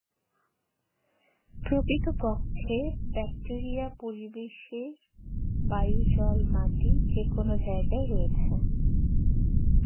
প্রকৃতপক্ষে, ব্যাক্টেরিয়া পরিবেশের বায়ু, জল, মাটি যেকোনো জায়গায় রয়েছে।